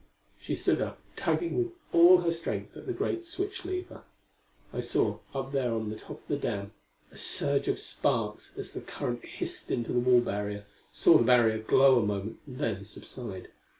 She stood up, tugging with all her strength at the great switch lever. I saw, up there on the top of the dam, a surge of sparks as the current hissed into the wall barrier; saw the barrier glow a moment and then subside.